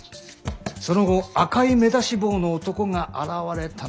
その後赤い目出し帽の男が現れたのが？